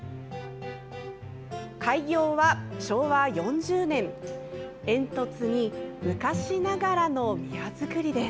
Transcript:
開業は昭和４０年煙突に、昔ながらの宮造りです。